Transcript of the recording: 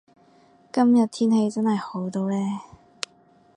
今日天氣真係好到呢